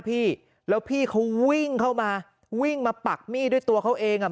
พี่แล้วพี่เขาวิ่งเข้ามาวิ่งมาปักมีดด้วยตัวเขาเองอ่ะ